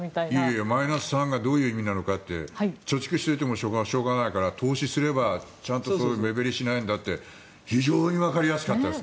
マイナス３がどういう意味なのか貯蓄していてもしょうがないから投資すればちゃんと目減りしないんだって非常にわかりやすかったです。